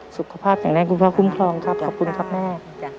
สุขภาพแข็งแรงคุณพ่อคุ้มครองครับขอบคุณครับแม่